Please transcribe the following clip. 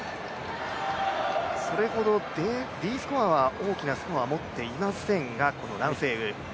それほどＤスコアは大きなスコアは持っていませんがこの蘭星宇。